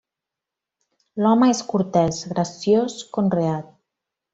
L'home és cortès, graciós, conreat.